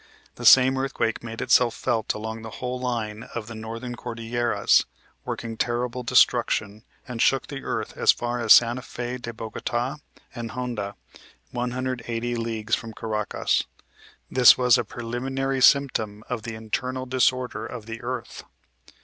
The same earthquake made itself felt along the whole line of the Northern Cordilleras, working terrible destruction, and shook the earth as far as Santa Fe de Bogota and Honda, 180 leagues from Caracas. This was a preliminary symptom of the internal disorder of the earth.